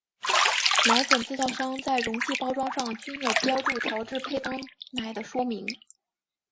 奶粉制造商在容器包装上均有标注调制配方奶的说明。